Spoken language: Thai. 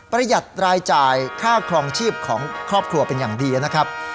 ประหยัดรายจ่ายค่าครองชีพของครอบครัวเป็นอย่างดีนะครับ